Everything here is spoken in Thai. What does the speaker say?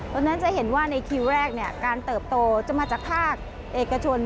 ตอนนั้นจะเห็นว่าในคีวแรกการเติบโตจะมาจากภาคเอกชน